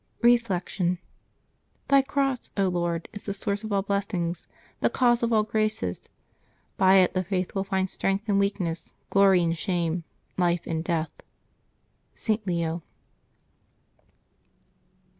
Reflection. — "Thy cross, Lord, is the source of all blessings, the cause of all graces: by it the faithful find strength in weakness, glory in shame, life in death/' — ^S^^. Leo.